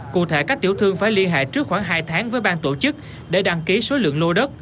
cụ thể các tiểu thương phải liên hệ trước khoảng hai tháng với bang tổ chức để đăng ký số lượng lô đất